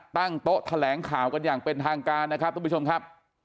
ตั้งโต๊ะแถลงข่าวกันอย่างเป็นทางการนะครับทุกผู้ชมครับ